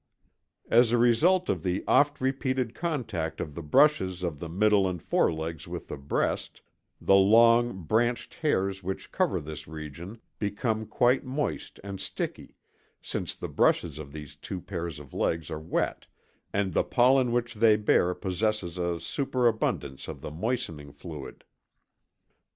As a result of the oft repeated contact of the brushes of the middle and forelegs with the breast, the long, branched hairs which cover this region become quite moist and sticky, since the brushes of these two pair of legs are wet and the pollen which they bear possesses a superabundance of the moistening fluid.